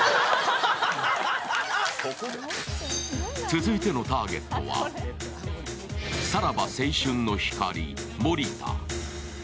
続いてのターゲットは、さらば青春の光・森田。